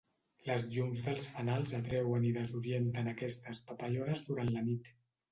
Les llums dels fanals atreuen i desorienten aquestes papallones durant la nit.